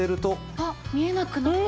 あっ見えなくなった。